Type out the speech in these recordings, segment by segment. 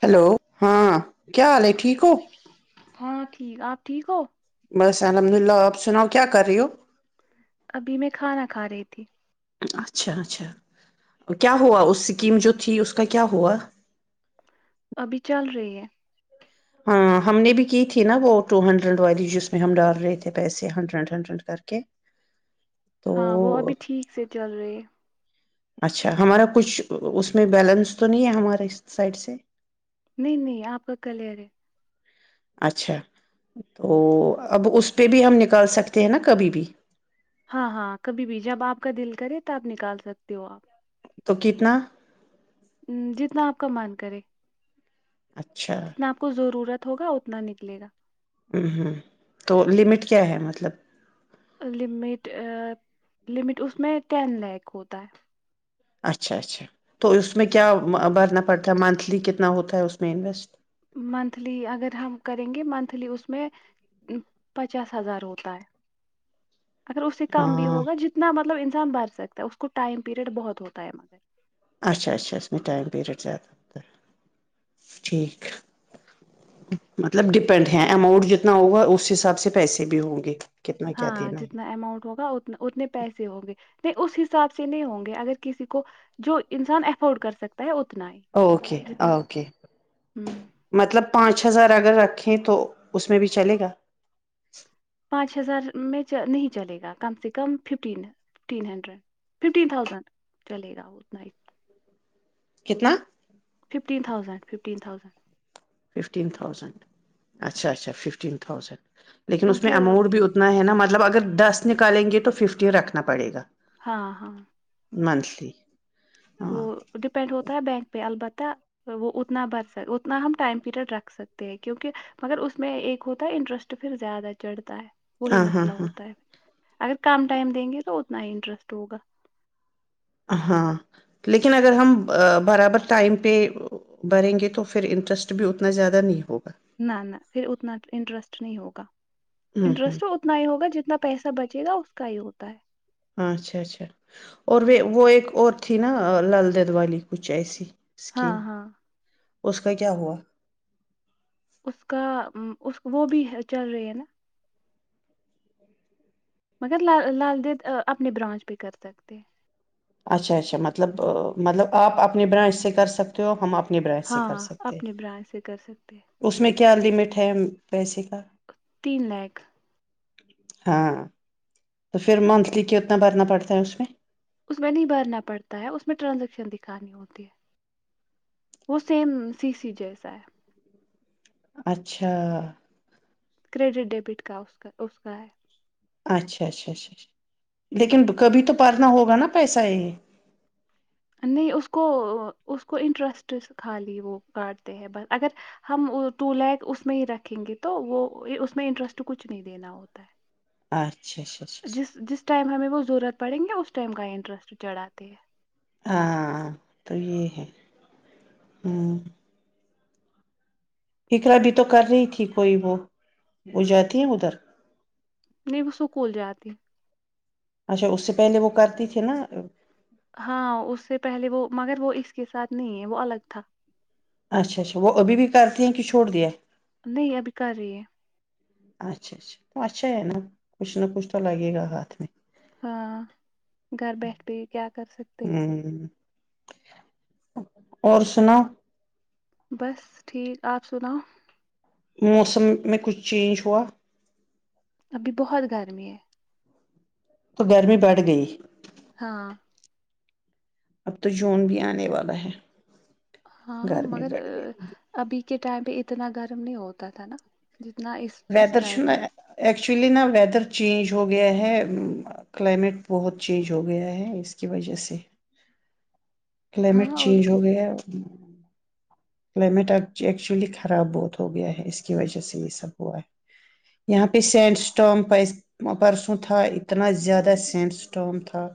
Hello ہاں کیا حال ہے ٹھیک ہو ہاں ٹھیک آپ ٹھیک ہو بس الحمد للہ آپ سناؤ کیا کر رہی ہو ابھی میں کھانا کھا رہی تھی اچھا اچھا کیا ہوا اس اسکیم جو تھی اس کا کیا ہوا ابھی چل رہی ہے ہاں ہم نے بھی کی تھی نا وہ ٹو ہنڈریڈ والی جس میں ہم ڈال رہے تھے پیسے ہنڈریڈ ہنڈرینڈ کر کے تو ہاں وہ ابھی ٹھیک سے چل رہے اچھا ہمارا کچھ اس میں بیلنس تو نہیں ہے ہمارے سائڈ سے نہیں نہیں آپ کا کلیئر ہے اچھا تو اب اس پہ بھی ہم نکال سکتے ہیں نا کبھی بھی [unintelligible] ہاں ہاں کبھی بھی جب آپ کا دل کرے تو آپ نکال سکتے ہو آپ تو کتنا جتنا آپ کا مان کرے اچھا جتنا آپ کو ضرورت ہوگا اتنا نکلے گا [unintelligible] ہ ہوں تو لمٹ کیا ہے مطلب لمٹ لمٹ اس میں ٹین لیک ہوتا ہے اچھا اچھا تو اس میں کیا بھرنا پڑتا ہے منتھلی کتنا ہوتا ہے اس میں انویسٹ منتھلی اگر ہم کریں گے منتھلی اس میں پچاس ہزار ہوتا ہے اگر اس سے کام بھی ہاں ہوگا جتنا مطلب بھر سکتا ہے اس کو ٹائم پیریڈ بہت ہوتا ہے مگر [unintelligible] اچھا اچھا اس میں ٹائم پیریڈ زیادہ ہوتا ہے ٹھیک مطلب ڈپینڈ ہیں اماؤنٹ جتنا ہوگا اس حساب سے پیسے بھی ہوں گے کتنا کیا ہاں دینا جتنا ہے اماؤنٹ ہوگا ا اتنے پیسے ہوں گے نہیں اس حساب سے نہیں ہوں گے اگر کسی کو جو انسان افورڈ کر سکتا ہے [unintelligible] اوکے جتنا اوکے ہوں مطلب پانچ ہزار اگر رکھیں تو اس میں بھی چلے گا [unintelligible] پانچ ہزار میں نہیں چلے گا کم سے کم fifteen fifteen hundred fifteen thousand چلے گا اتائ کتنا [unintelligible] ففٹین ت thousand fifteen thousand fifteen thousand اچھا اچھا ففٹین تھاؤزینڈ لیکن اس میں کیونکہ اماؤنٹ بھی اتنا ہے نا م مطلب اگر دس نکالیں گے تو ففٹ رکھنا پڑے گا ہاں ہاں منتھلی [unintelligible] ہاں وہ ڈیپینڈ ہوتا ہے بینک پہ البتہ وہ اتنا بھر سک اتنا ہم ٹائم پیریڈ رکھ سکتے ہیں کیونکہ مگر اس میں ایک ہوتا ہے انٹرسٹ پھر زیادہ چڑھتا ہے [unintelligible] وہی ہاں ہاں ہاں مسئلہ ہوتا ہے اگر کم ٹائم دیں گے تو اتنا ہی انٹرسٹ ہوگا ہاں لیکن اگر ہم برابر ٹائم پہ بھریں گے تو پھر انٹرسٹ بھی اتنا زیادہ نہیں ہوگا نہ نہ پھر اتنا انٹرسٹ نہیں ہوگا ہوں انٹرسٹ اتنا ہی ہوگا جتنا پیسا بچے گا اس کا ہی ہوتا ہے اچھا اچھا اور وہ وہ ایک اور تھی نہ لل دد والی کچھ ایسی ہاں اسکیم ہاں اس کا کیا ہوا اس کا وہ بھی چل رہے ہیں نا مگر ل لال دید اپنے برانچ پہ کر سکتے ہیں اچھا اچھا مطلب مطلب آپ اپنی برانچ سے کر سکتے ہو ہم اپنے برانچ سے ہاں کر سکتے ہیں، اپنے برانچ سے کر سکتے ہیں اس میں کیا لمٹ ہے ہم پیسے کی تین لاکھ ہاں تو پھر منتھلی کتنا بھرنا پڑتا ہے اس میں اس میں نہیں بھرنا پڑتا ہے اس میں ٹرانزیکشن دکھانی ہوتی ہے وہ سیم سی سی جیسا ہے اچھا کریڈٹ ڈیبٹ کا اس کا اس کا ہے اچھا اچھا اچھا اچھا ہم۔ لیکن کبھی تو اپنا ہوگا نا پیسہ یہ نہیں اس کو اس کو انٹرسٹ خالی وہ کاٹتے ہیں بس اگر ہم ٹو لیک اس میں ہی رکھیں گے تو وہ اس میں انٹرسٹ کچھ نہیں دینا ہوتا ہے اور جس جس ٹائم ہمیں وہ ضرورت پڑیں گے اس ٹائم کا انٹرسٹ چڑھاتے ہے ہاں تو یہ ہے ہوں اقرا بھی تو کر رہی تھی کوئی وہ وہ جاتی ہے ادھر نہیں وہ سںکول جاتی اچھا اس سے پہلے وہ کرتی تھی نا ہاں اس سے پہلے وہ مگر وہ اس کے ساتھ نہیں ہے وہ الگ تھا اچھا اچھا وہ ابھی بھی کرتی ہیں کہ چھوڑ دیا نہیں ابھی کر رہی ہے اچھا اچھا تو اچھا ہے نا کچھ نہ کچھ تو لگے گا ہاتھ میں ہاں گھر بیٹھ کے کیا کر سکتے ہوں اور سنا بس ٹھیک آپ سناؤ موسم میں کچھ چینج ہوا ابھی بہت گرمی ہے تو گرمی بڑھ گئی ہاں اب تو جون بھی آنے والا ہے ہاں گرمی مگر بڑھ گئی ابھی کے ٹائم پہ اتنا گرم نہیں ہوتا تھا نا جتنا اس اس وییدر چ ٹائم ن ہے اکچولی نا وییدر چینج ہو گیا ہے کلائمیٹ بہت چینج ہو گیا ہے اس کی وجہ سے کلائمیٹ ہاں اور چینج کیا ہو گیا [inaudible] کلائمیٹ ایکچولی خراب بہت ہو گیا ہے اس کی وجہ سے یہ سب ہوا ہے یہاں پہ سینڈ اسٹام پرسوں تھا اتنا زیادہ سینڈ اسٹم تھا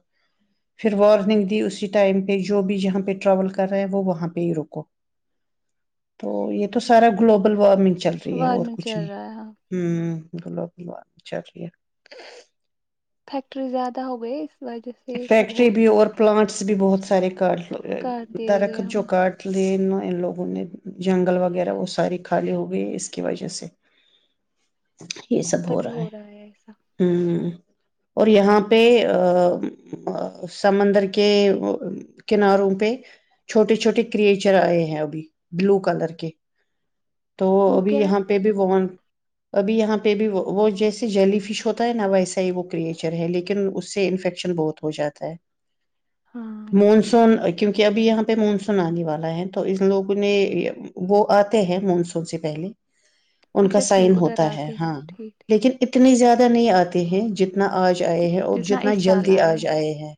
پھر وارننگ دی اسی ٹائم پہ جو بھی جہاں پہ ٹراول کر رہے ہے وہ وہاں پہ ہی رکو تو یہ تو سارا گلوبل وارمنگ چل رہی ہے اور وارمنگ کچھ چل نہیں رہا ہے ہاں ہوں بلا بلو چاہیے فیکٹری زیادہ ہو گئی اس وجہ سے یہ سب فیکٹری ہو رہا بھی ہے اور پلانٹس بھی بہت سارییکال کر دے درخت گئے ہم جگاٹ لیے ان لوگوں نے جنگل وغیرہ وہ ساری خالی ہو گئی اس کی وجہ سے یہ سب ہو رہا ہے ہوں اور یہاں پہ ا سمندر کے کناروں پہ چھوٹے چھوٹے کرچر آئے ہیں ابھی بلو کلر کے تو وہ ابھی کیا ہے یہاں پہ بھی وہ ابھی یہاں پہ بھی وہ جیسے جیلی فش ہوتا ہے نا ویسا ہی وہ کریچر ہے لیکن اس سے انفیکشن بہت ہو جاتا ہے ہاں مونسون کیونکہ ابھی یہاں پہ مانسون آنے والا ہے تو ان لوگوں نے وہ آتے ہیں مانسون سے پہلے ان کا اچھا ٹھیک سائن ادھر ہوتا ہے آتے ہیں، ہاں ٹھیک لیکن اتنا اتنے زیادہ نہیں آتے ہیں جتنے جتنا آج آئے ٹھیک ہیں ج- اور جتنا اس سال جلدی آئے آج ہیں جائے ہے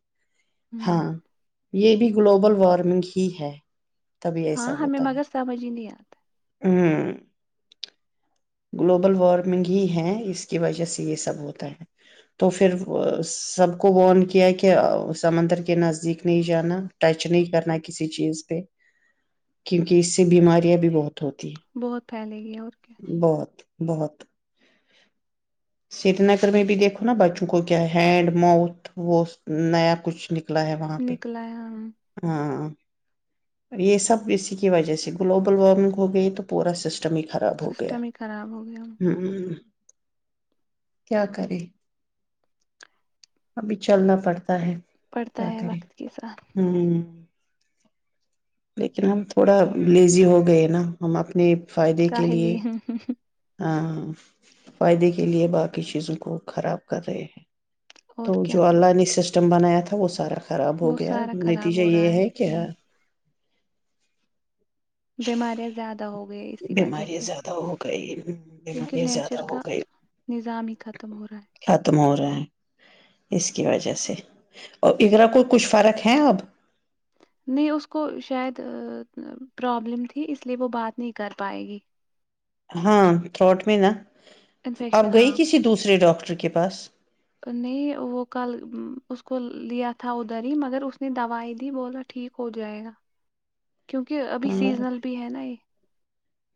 ہوں ہاں یہ بھی گلوبل وارمنگ ہی ہے تبھی ہاں ایسا ہمیں ہوتا مگر ہے سمجھ ہی نہیں آتا ہوں گلوبل وارمنگ ہی ہے اس کی وجہ سے یہ سب ہوتا ہے تو پھر سب کو ون کیا کہ سمندر کے نزدیک نہیں جانا ٹچ نہیں کرنا کسی چیز پہ کیونکہ اس سے بیماریاں بھی بہت ہوتی بہت پھیلے گی اور کیا ہے بہت بہت سری نگر میں بھی دیکھو نا بچوں کو کیا ہینڈ ماؤتھ و نیا کچھ نکل کھلا ہے وہاں پہ نکلا ہے ہم ہاں یہ سب اسی کی وجہ سے گلوبل وارمنگ ہو گئی تو پورا سسٹم ٹمی ہی خراب ہو گیا سسٹم ہی خراب ہو گیا ہ [unintelligible] کیا کرے ابھی چلنا پڑتا ہے ہے پڑتا کیا ہے کرے وقت کے ساتھ ہ لیکن ہم تھوڑا لیزی ہو گئے نا ہم اپنے فائدے کے لیے کاہلی ہاں پائی دیکھیے لئے باقی چیزوں کو خراب کر رہے ہیں اور تو کیا جو اللہی سسٹم سسٹم بنایا تھا وہ سارا تھا خراب ہو وہ گیا سارا خراب نتیجہ ہو یہ رہا ہے کیا بیماریں زیادہ ہو گئی اسی وجہ بیمارییا سے زیادہ ہو گئی کیونکہ بیمارییا زیادہ نیچر ہو کا گئی نظام ہی ختم ہو رہا ہے ختم ہو رہا ہے اس کی وجہ سے اور اگرگرا کوئی کچھ فرق ہے اب نہیں اس کو شاید پرابلم تھی اس لیے وہ بات نہیں کر پائے گی ہاں ٹھو ٹ م نا اب انفیکشن گئی ہاں کسی دوسرے ڈاکٹر ٹر کے پاس [unintelligible] نہیں وہ کل اس کو لیا تھا ادھر ہی مگر اس نے دوائی دی بول رہا ٹھیک ہو جائے گا کیونکہ ابھی سیزنل بھی ہے نا یہ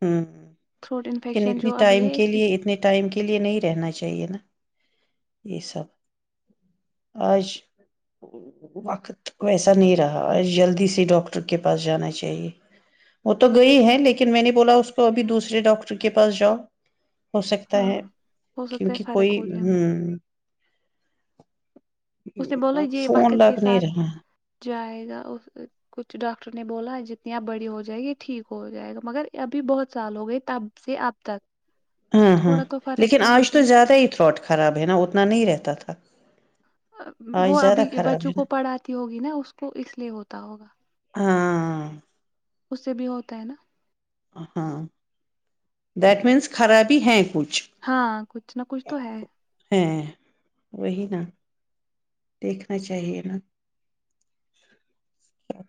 ہاں تھروٹ [unintelligible] لیکن انفیکشن اتنی جو ابھی ٹائم ہے کے اسی لیے اتنے ٹائم کے لیے نہیں رہنا چاہیے نا [unintelligible] یہ سب آج وقت ویسا نہیں رہا آج جلدی سے ڈاکٹر کے پاس جانا چاہیے وہ تو گئی ہے لیکن میں نے بولا اس کو ابھی دوسرے ڈاکٹر کے پاس جاؤ [unintelligible] ہو سکتا ہاں ہے ہو سکتا ہے کیونکہ فرق کوئی ہو ہ جائے [unintelligible] اس نے بولا یہ فون وقت کے لگ نہیں ساتھ رہا جائے گا کچھ ڈاکٹر نے بولا جتنی آپ بڑی ہو جائے گی ٹھیک ہو جائے گا مگر ابھی بہت سال ہو گئے تب سے اب تک ہاں ہاں تھوڑا تو فرق لیکن ہونی آج تو چاہیے زیادہ ہی تھروٹ خراب ہے نا اتنا نہیں رہتا تھا آج وہ زیادہ ابھی خراب بچوں ہے کو پڑھاتی ہوگی نا اس کو اس لیے ہوتا ہوگا نا ہاں [unintelligible] اس سے بھی ہوتا ہے نا ہاں دٹ مینس خرابی ہیں کچھ ہاں کچھ نہ کچھ تو ہے ہیں وہی نا دیکھنا چاہیے نا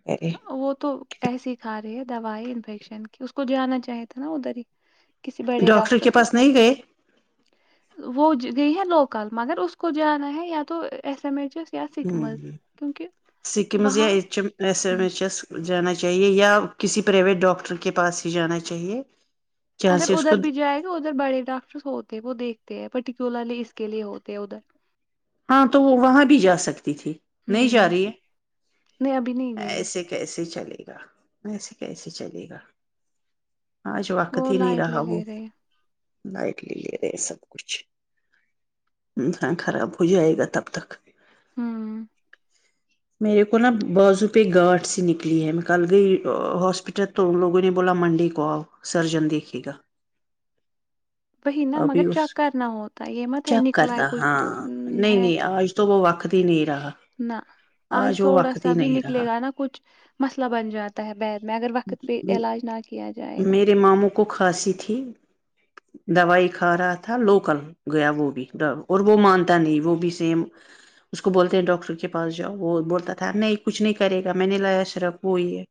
کرے وہ تو ایسے ہی کھا رہے ہیں دوائی انفیکشن کی اس کو جانا چاہے تھا نا ادھر ہی کسی ڈاکٹر کے پاس نہیں گئے ای [inaudible] ہ ہ سکمز یا وہاں ایچ ایم ہ میں چس جانا چاہیے یا کسی پرائیویٹ ڈاکٹر کے پاس ہی جانا چاہیے جہاں اگر سے اس کو ادھر بھی جائے گا ادھر بڑے ڈاکٹر ہوتے ہیں وہ دیکھتے ہیں پرٹیکولرلی اس کے لیے ہوتے ہیں ادھر ہاں تو وہ وہاں بھی جا سکتی تھی نہیں جا ہوں رہی ہے نہیں ابھی نہیں گئی ہے ایسے کیسے چلے گا ویسے کیسے چلے گا آج وقت وہ ہی نہیں لائٹ رہا لے وہ لے رہے ہیں لائٹ لے لے رہے سب کچھ خراب ہو جائے گا تب تک ہوں میرے کو نا بازو پہ گارھ سے نکلی ہے میں کل گئی ہاسپٹل تو لوگوں نے بولا منڈی کو آؤ سرجن دیکھے گا بی نا ابھی مگر اس چیک کرنا ہوتا یہ مت ہے چیک نکلا ہے کرنا کچھ ہاں تو نہیں ہے نہیں [unintelligible] ص وقتی نییرا نہ آج تھوڑا سا بھی نہیں رہا نکلے گا نا کچھ مسئلہ بن جاتا ہے بیید میں اگر وقت پہ علاج نہ کیا جائے گا میرے ماموں کو کھانسی تھی دوائی کھا رہا تھا لوکل گیا وہ بھی اور وہ مان نہیں وہ بھی سیم اس کو بولتے ہیں ڈاکٹر کے پاس جاؤ وہ بولتا تھا نہیں کچھ نہیں کرے گا میں نے لایا شرف وہ یہ ہے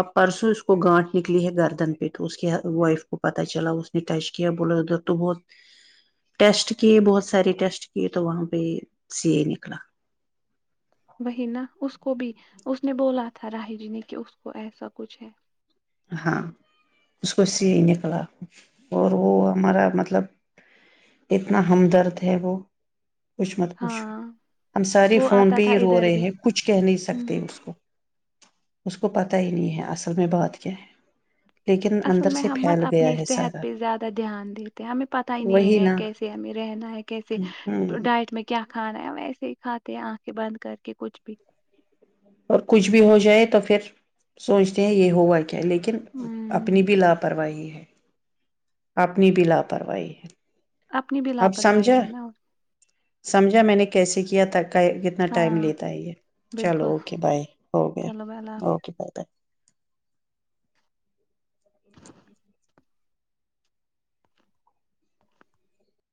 اب پرسوں اس کو گانٹ نکلی ہے گردن پہ تو اس کی وائف کو پتا چلا اس نے ٹچ کیا ب ادھر تو بہت ٹیسٹ کی بہت سارے ٹیسٹ یہ تو وہاں پہ سے نکلا وہی نا اس کو بھی اس نے بولا تھا راہی جی نے کہ اس کو ایسا کچھ ہے ہاں اس کو سی نکلا اور وہ ہمارا مطلب اتنا ہمدرد ہے وہ کچھ مت پوچھو ہاں ہم سارے وہ فون آتا پہ تھا ہی رو ادھر رہے بھی ہیں کچھ کہہ نہیں سکتے ہوں اس کو اس کو پتا ہی نہیں ہے اصل میں بات ج [unintelligible] اصل میں ہمت اپنی صحت پہ زیادہ دھیان دیتے ہیں ہمیں پت ہی نہیں وہی ہے نا کیسے ہمیں رہنا ہے کیسے ہوں ڈائٹ میں کیا کھانا ہے ویسے ہی کھاتے ہیں آنکھیں بند کر کے کچھ بھی اور کچھ بھی ہو جائے تو پھر سوچتے ہیں یہ ہوگا لیکن اپنی بھی ہ لاپرواہی ہے اپنی بھی لاپرواہی ہے اپنی بھی اب لاپرواہی سمجھا ہے نا سمجھا میں نے کیسے کیا تھاک کتنا ٹائم ہاں لیتا ہے یہ بالکل چلو اوکے بائے ہو گیا چلو بھائی، اللہ حافظ اوکے بائے بائے